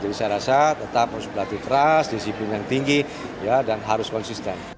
jadi saya rasa tetap harus berlatih keras disiplin yang tinggi ya dan harus konsisten